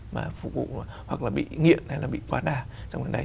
mà phục vụ hoặc là bị nghiện hay là bị quá đà trong cái đấy